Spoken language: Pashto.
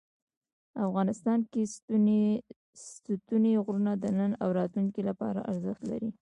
افغانستان کې ستوني غرونه د نن او راتلونکي لپاره ارزښت لري.